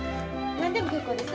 何でも結構です。